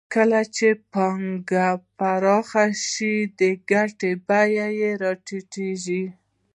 کله چې پانګه پراخه شي د ګټې بیه راټیټېږي